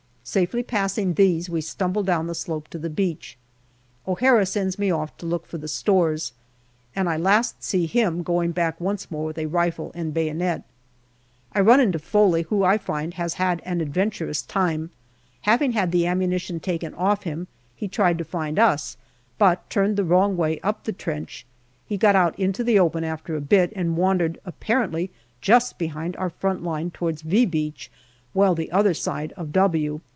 Safely passing these, we stumble down the slope to the beach. O'Hara sends me off to look for APRIL 43 the stores, and I last see him going back once more with a rifle and bayonet. I run into Foley, who I find has had an adventurous time. Having had the ammunition taken off him, he tried to find us, but turned the wrong way up the trench. He got out into the open after a bit and wandered apparently just behind our front line towards " V " Beach, well the other side of " W."